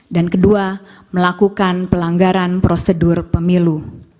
dan kedua melakukan pelanggaran prosedur pemilu